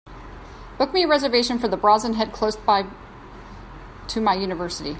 Book me a reservation for The Brazen Head close by to my university